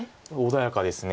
穏やかです。